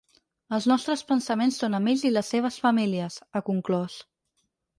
Els nostres pensaments són amb ells i les seves famílies, ha conclòs.